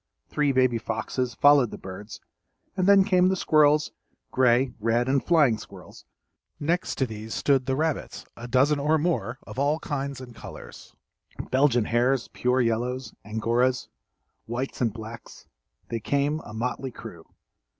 Three baby foxes followed the birds and then came the squirrels, gray, red, and flying squirrels; next to these stood the rabbits, a dozen or more of all kinds and colors: Belgian hares, pure yellows, angoras, whites and blacks, they came, a motley crew.